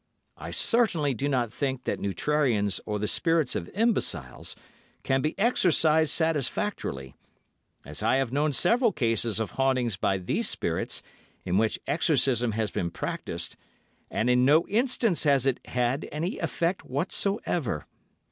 "I certainly do not think that neutrarians or the spirits of imbeciles can be exorcised satisfactorily, as I have known several cases of hauntings by these spirits in which exorcism has been practised, and in no instance has it had any effect whatsoever.